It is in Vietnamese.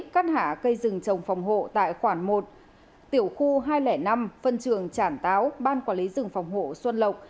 cắt hả cây rừng trồng phòng hộ tại khoản một tiểu khu hai trăm linh năm phân trường chản táo ban liên binh rừng phòng hộ xuân lộng